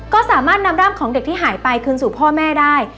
ก็สามารถนำร่างของเด็กที่หายไปคืนสู่พ่อแม่ได้